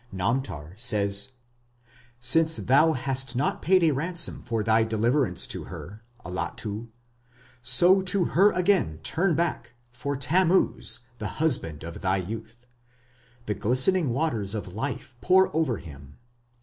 Namtar says: Since thou hast not paid a ransom for thy deliverance to her (Allatu), so to her again turn back, For Tammuz the husband of thy youth. The glistening waters (of life) pour over him...